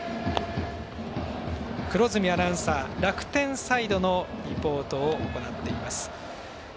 黒住アナウンサー楽天サイドのリポートを行っています。